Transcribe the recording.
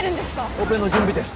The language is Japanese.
オペの準備です